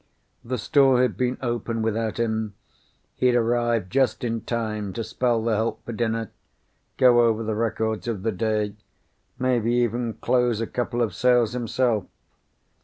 The store had been open without him; he'd arrive just in time to spell the help for dinner, go over the records of the day, maybe even close a couple of sales himself.